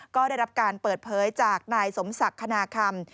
ก็ได้รับการเปิดเผยจากนายสมศักดิ์คณาคำ